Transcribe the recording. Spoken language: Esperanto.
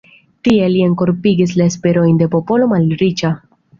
Tiel li enkorpigis la esperojn de popolo malriĉa.